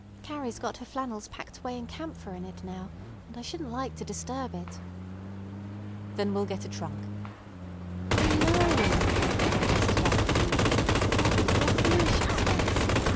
Carrie's got her flannels packed away in camphor in it now, and I shouldn't like to disturb it." "Then we'll get a trunk." "O, no," protested Aunt Crete; "that would be a foolish expense.